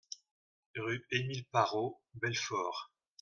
Rue Émile Parrot, Belfort